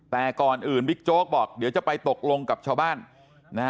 แต่ก่อนอื่นบิ๊กโจ๊กบอกเดี๋ยวจะไปตกลงกับชาวบ้านนะฮะ